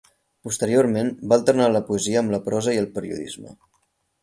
Posteriorment va alternar la poesia amb la prosa i el periodisme.